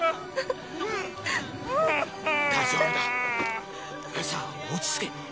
大丈夫ださあ落ち着け